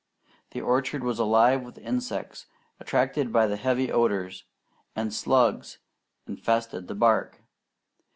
The orchard was alive with insects, attracted by the heavy odours, and slugs infested the bark.